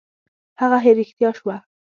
هغه رښتیا شوه.